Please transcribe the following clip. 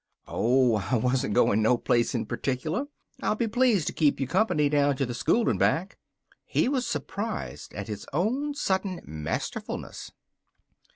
"Oh, I wasn't going no place in particular. I'll be pleased to keep you company down to the school and back." He was surprised at his own sudden masterfulness.